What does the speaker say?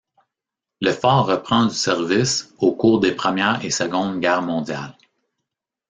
Le fort reprend du service au cours des Première et Seconde Guerres mondiales.